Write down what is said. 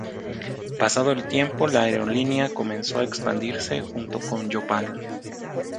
Pasado el tiempo la aerolínea comenzó a expandirse junto con Yopal.